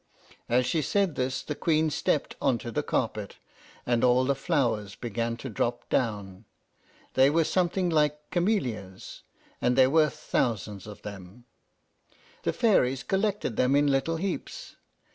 As she said this the Queen stepped on to the carpet, and all the flowers began to drop down. They were something like camellias, and there were thousands of them. The fairies collected them in little heaps.